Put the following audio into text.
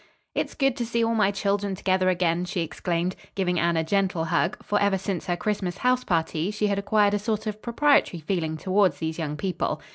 "It's good to see all my children together again," she exclaimed, giving Anne a gentle hug; for ever since her Christmas house party she had acquired a sort of proprietary feeling toward these young people.